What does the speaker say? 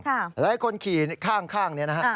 การผ่านคนขี่ข้าง